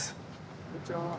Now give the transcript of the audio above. こんにちは。